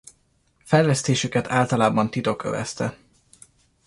Fejlesztésüket általában titok övezte.